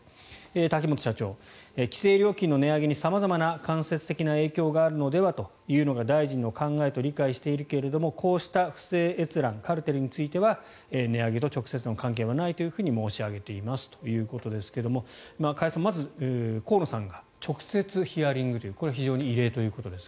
瀧本社長、規制料金の値上げに様々な間接的な影響があるのではというのが大臣の考えと理解しているけどもこうした不正閲覧、カルテルについては値上げと直接の関係はないと申し上げていますということですが加谷さん、まず河野さんが直接ヒアリングというこれは非常に異例ということですが。